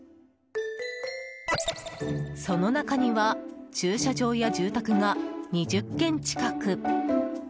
その中には駐車場や住宅が２０軒近く。